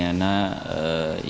yang tidak diinginkan terjadi